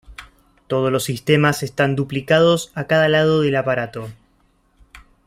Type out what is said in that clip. Todos los sistemas están duplicados a cada lado del aparato.